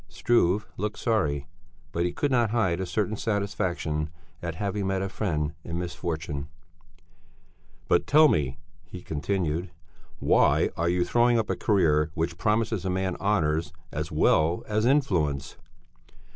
Struve looked sorry, but he could not hide a certain satisfaction at having met a friend in misfortune. "But tell me," he continued, "Why are you throwing up a career which promises a man honours as well as influence?"